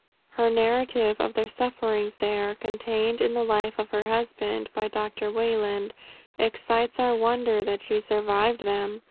Her narrative of their sufferings there, contained in the life of her husband, by Dr. Wayland, excites our wonder that she survived them.